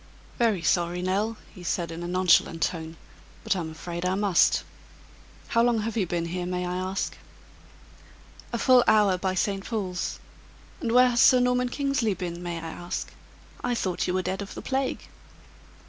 "Very sorry, Nell," he said, in a nonchalant tone, "but I'm afraid I must. How long have you been here, may I ask?" "A full hour by St. Paul's; and where has Sir Norman Kingsley been, may I ask? I thought you were dead of the plague."